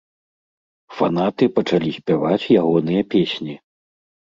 Фанаты пачалі спяваць ягоныя песні.